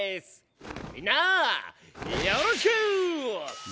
みんなよろしく！